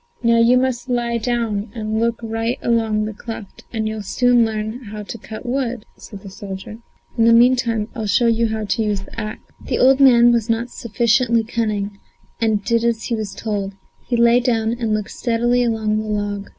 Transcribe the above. "Now you must lie down and look right along the cleft, and you'll soon learn how to cut wood," said the soldier. "In the meantime I'll show you how to use the axe." The old man was not sufficiently cunning, and did as he was told; he lay down and looked steadily along the log.